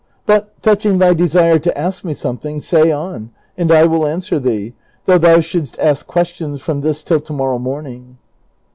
IJut touching thy desire to ask me something, say on, and I will answer thee, though thou shouldst ask ques tions from this till to morrow morning."